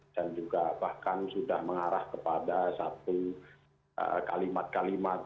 juga bahkan sudah mengarah kepada satu kalimat kalimat